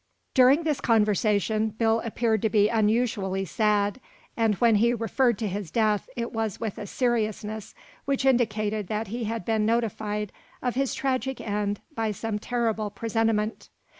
During this conversation Bill appeared to be unusually sad, and when he referred to his death it was with a seriousness which indicated that he had been notified of his tragic end by some terrible presentiment.